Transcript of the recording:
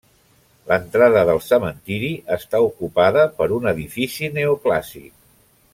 L'entrada del cementiri està ocupada per un edifici neoclàssic.